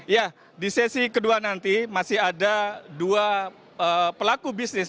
ya di sesi kedua nanti masih ada dua pelaku bisnis